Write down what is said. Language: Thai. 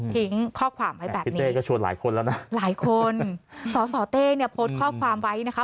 ทิ้งข้อความไว้แบบนี้นะครับหลายคนสสเต้เนี่ยโพสต์ข้อความไว้นะคะ